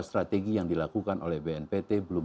strategi yang dilakukan oleh bnpt belum